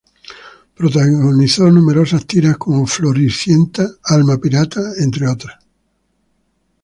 Protagonizó numerosas tiras como "Floricienta", "Alma pirata", entre otras.